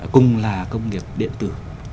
cùng là công nghiệp điện tử